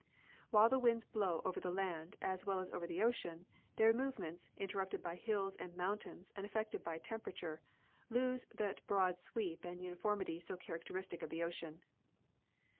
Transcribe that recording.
While the winds blow over the land as well as over the ocean, their movements, interrupted by hills and mountains and af fected by temperature, lose that broad sweep and uniformity so characteristic of the ocean.